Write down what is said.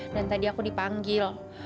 dan tadi aku dipanggil